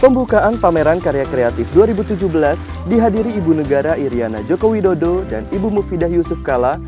pembukaan pameran karya kreatif dua ribu tujuh belas dihadiri ibu negara iryana joko widodo dan ibu mufidah yusuf kala